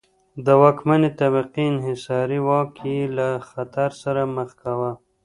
د واکمنې طبقې انحصاري واک یې له خطر سره مخ کاوه.